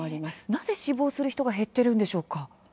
なぜ志望する人が減っているんですか。